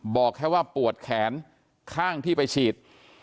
บอกแค่ว่าปวดแขนข้างที่ไปฉีด